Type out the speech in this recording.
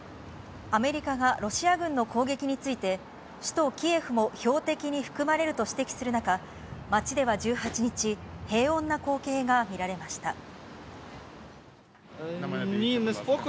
アメリカがロシア軍の攻撃について、首都キエフも標的に含まれると指摘する中、街では１８日、平穏な光景が見られました。